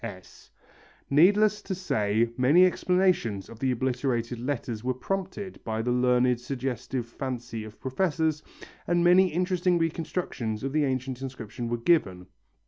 S. Needless to say many explanations of the obliterated letters were prompted by the learned suggestive fancy of professors, and many interesting reconstructions of the ancient inscription were given.